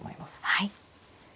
はい。